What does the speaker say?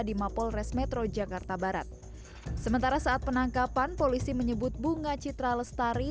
di mapolres metro jakarta barat sementara saat penangkapan polisi menyebut bunga citra lestari